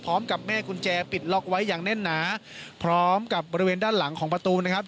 พร้อมกับแม่กุญแจปิดล็อกไว้อย่างแน่นหนาพร้อมกับบริเวณด้านหลังของประตูนะครับ